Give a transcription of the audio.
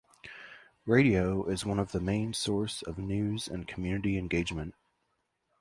Radio is one of the main source of news and community engagement.